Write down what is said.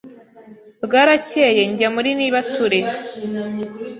bwaracyeye njya muri nibature,